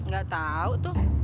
gak tahu tuh